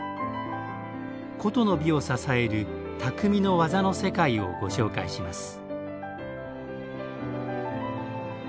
古都の美を支える「匠の技の世界」をご紹介します。